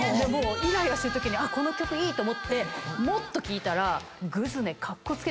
イライラしてるときこの曲いいと思ってもっと聴いたら。